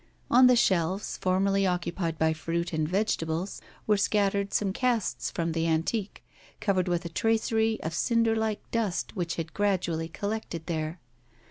On the shelves, formerly occupied by fruit and vegetables, were scattered some casts from the antique, covered with a tracery of cinder like dust which had gradually collected there.